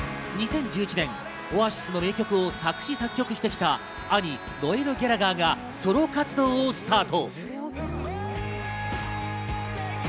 ２０１１年、オアシスの名曲を作詞作曲してきた兄、ノエル・ギャラガーがソロ活動をスタート。